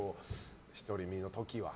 ひとり身の時は。